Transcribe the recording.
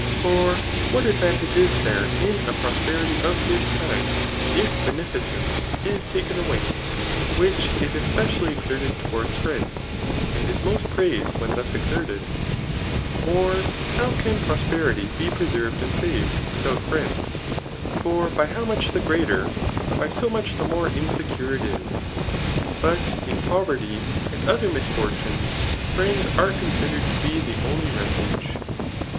For what advantage is there in a 'prosperity of this kind, if beneficence is taken away, which is especially exerted towards friends, and is most praised when thus exerted ? Or how can prosperity be preserved and saved, without friends? For by how much Digitized by Google 288 THE NICOMACHEAK BOOK VUI. the greater, by so much the more insecure it is. But in poverty and other misfortunes, friends are conadered to be the only refuge.